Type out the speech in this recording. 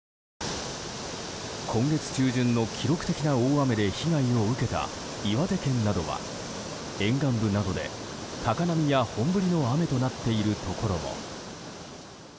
今月中旬の記録的な大雨で被害を受けた岩手県などは沿岸部などで高波や本降りの雨となっているところも。